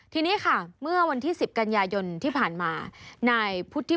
ทีนี้ค่ะเมื่อวันที่๑๐กันยายนที่ผ่านมานายพุทธิ